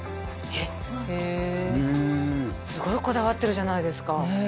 へえへえすごいこだわってるじゃないですかねえ